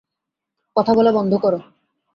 কথা বলা বন্ধ করো!